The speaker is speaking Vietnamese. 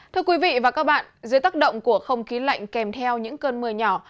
thưa quý vị và các bạn dưới tác động của không khí lạnh kèm theo những cơn mưa nhỏ